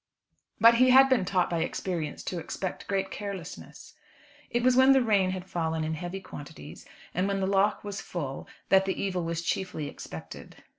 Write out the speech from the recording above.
But he had been taught by experience to expect great carelessness. It was when the rain had fallen in heavy quantities, and when the Lough was full that the evil was chiefly expected.